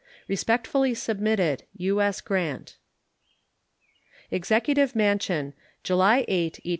Respectfully submitted. U.S. GRANT. EXECUTIVE MANSION, July 8, 1876.